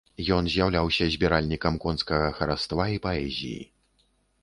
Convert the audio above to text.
Ён з'яўляўся збіральнікам конскага хараства і паэзіі.